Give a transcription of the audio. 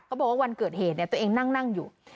เขาบอกว่าวันเกิดเหตุตัวเองนั่งอยู่